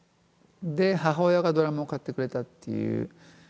で母親がドラムを買ってくれたっていう。